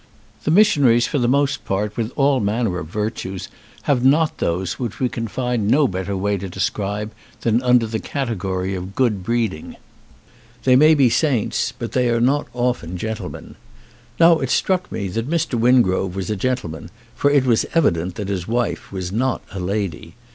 The missionaries for the most part with all manner of virtues have not those which we can find no better way to de 48 TEAK scribe than under the category of good breeding. They may be saints but they are not often gen tlemen. Now it struck me that Mr. Wingrove was a gentleman, for it was evident that his wife was not a lady.